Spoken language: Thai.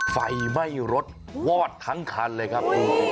ไฟไหม้รถวอดทั้งคันเลยครับ